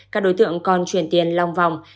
các đối tượng còn chuyển tiền long vòng